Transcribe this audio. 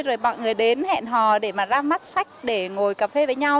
rồi mọi người đến hẹn hò để mà ra mắt sách để ngồi cà phê với nhau